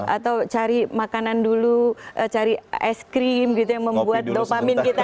atau cari makanan dulu cari es krim gitu yang membuat dopamin kita